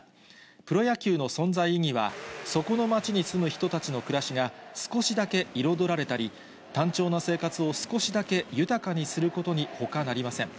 プロ野球の存在意義は、そこの街に住む人たちの暮らしが少しだけ彩られたり、単調な生活を少しだけ豊かにすることにほかなりません。